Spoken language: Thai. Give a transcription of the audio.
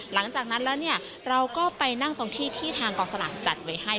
หลังจากนั้นแล้วเนี่ยเราก็ไปนั่งตรงที่ที่ทางกองสลากจัดไว้ให้